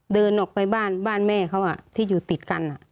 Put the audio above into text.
เดินออกไปบ้านแม่เขาอ่ะที่อยู่ติดกันอ่ะ